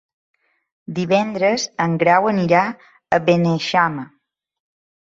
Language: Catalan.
Divendres en Grau anirà a Beneixama.